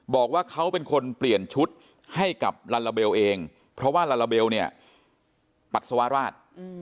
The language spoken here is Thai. บอกว่าเขาเป็นคนเปลี่ยนชุดให้กับลาลาเบลเองเพราะว่าลาลาเบลเนี่ยปัสสาวราช